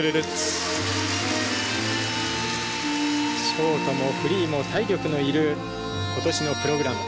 ショートもフリーも体力のいる今年のプログラム。